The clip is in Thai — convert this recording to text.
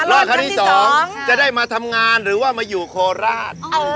ครั้งที่๒จะได้มาทำงานหรือว่ามาอยู่โคราช